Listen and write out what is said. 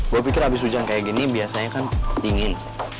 gue pikir abis hujan kayak gini biasanya kan dingin